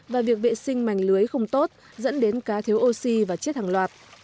và việc vệ sinh mảnh lưới không tốt dẫn đến cá thiếu oxy và chết hàng loạt